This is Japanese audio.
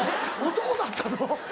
男だったの？